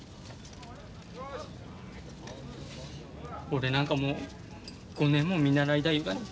俺なんかもう５年も見習いだいうがに。